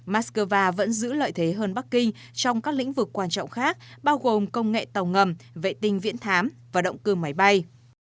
moscow vẫn giữ lợi thế hơn bắc kinh trong các lĩnh vực quan trọng khác bao gồm công nghệ tàu ngầm vệ tinh viễn thám và động cơ máy bay